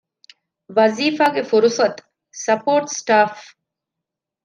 ވަޒީފާގެ ފުރުޞަތު - ސަޕޯޓް ސްޓާފް